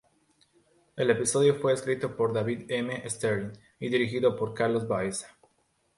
El episodio fue escrito por David M. Stern y dirigido por Carlos Baeza.